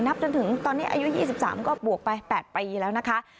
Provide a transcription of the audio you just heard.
จนถึงตอนนี้อายุ๒๓ก็บวกไป๘ปีแล้วนะคะ